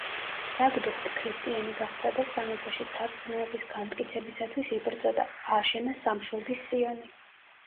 საგდუხტი ქრისტიანი გახდა და სამეფოში სარწმუნოების განმტკიცებისათვის იბრძოდა; ააშენა სამშვილდის სიონი.